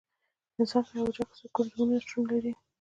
د انسان په یوه حجره کې څو کروموزومونه شتون لري